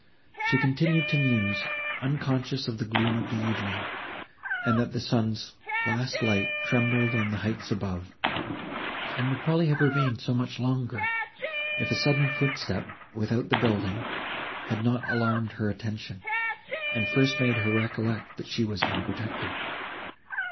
She continued to muse, unconscious of the gloom of evening, and that the sun's last light trembled on the heights above, and would probably have remained so much longer, if a sudden footstep, without the building, had not alarmed her attention, and first made her recollect that she was unprotected.